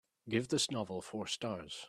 Give this novel four stars